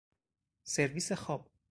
سرویس خواب